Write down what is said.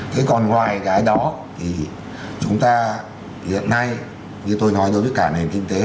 thế còn ngoài cái đó thì chúng ta hiện nay như tôi nói đối với cả nền kinh tế